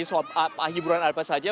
soal hiburan apa saja